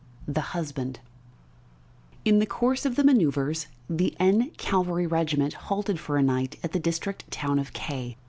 THE HUSBAND IN the course of the manoeuvres the N cavalry regiment halted for a night at the district town of K